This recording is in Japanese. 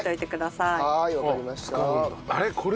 あれ？